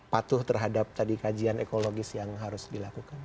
patuh terhadap tadi kajian ekologis yang harus dilakukan